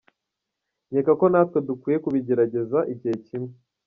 Nkeka ko natwe dukwiye kubigerageza igihe kimwe.